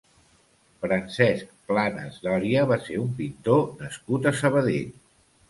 Francesc Planas Doria va ser un pintor nascut a Sabadell.